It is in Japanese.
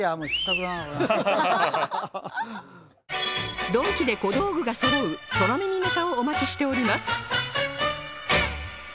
ドンキで小道具がそろう空耳ネタをお待ちしております